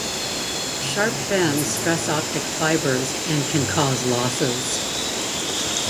Sharp bends stress optic fibers and can cause losses.